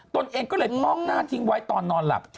ตัวเองก็เลยพอกหน้าทิ้งไว้ตอนนอนหลับ